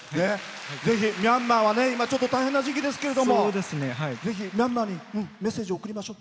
ぜひミャンマーは今、大変な時期ですけどぜひ、ミャンマーにメッセージを送りましょう。